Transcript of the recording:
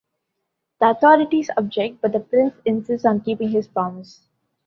The Authorities object but the Prince insists on keeping his promise.